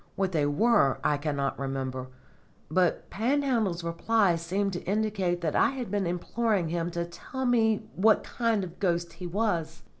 What they were I cannot remember, but Panhandle's reply seems to indicate that I had been imploring him to tell me what kind of a ghost he was.